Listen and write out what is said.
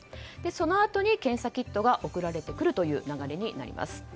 そのあとに検査キットが送られてくるという流れになります。